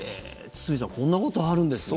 堤さんこんなことあるんですね。